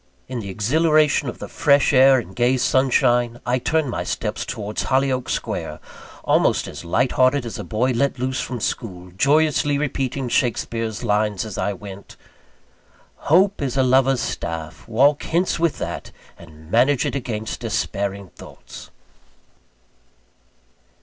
In the exhilaration of the fresh air and the gay sunshine, I turned my steps towards Hollyoake Square, almost as light hearted as a boy let loose from school, joyously repeating Shakespeare's lines as I went: "Hope is a lover's staff; walk hence with that, And manage it against despairing thoughts."